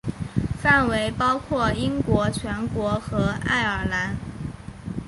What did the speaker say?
范围包括英国全国和爱尔兰。